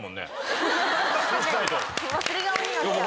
忘れ顔になっちゃう。